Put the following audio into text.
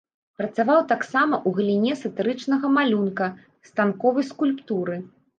Працаваў таксама ў галіне сатырычнага малюнка, станковай скульптуры.